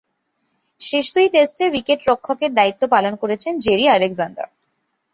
শেষ দুই টেস্টে উইকেট-রক্ষকের দায়িত্ব পালন করেছেন জেরি আলেকজান্ডার।